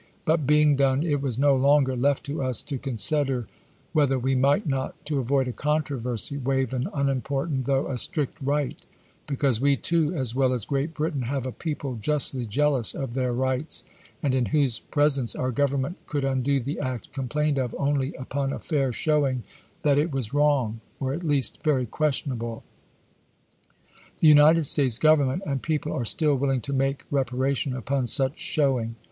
But being done, it was no longer left to us to consider whether we might not, to avoid a controversy, waive an unimportant though a strict right; because we too, as well as Great Britain, have a people justly jealous of their rights, and in whose pres ence our Government could undo the act complained of only upon a fair showing that it was wrong, or at least very questionable. The United States Government and people are still willing to make reparation upon such showing.